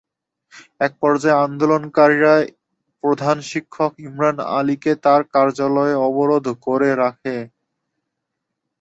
একপর্যায়ে আন্দোলনকারীরা প্রধান শিক্ষক ইমরান আলীকে তাঁর কার্যালয়ে অবরোধ করে রাখে।